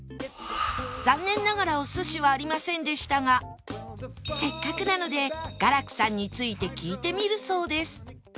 残念ながらお寿司はありませんでしたがせっかくなのでガラクさんについて聞いてみるそうです